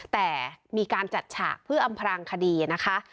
แต่มีการจัดฉากเพื่ออำพรางคดีนะคะ